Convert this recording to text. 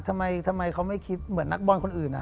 ทำไมเขาไม่คิดเหมือนนักบอลคนอื่น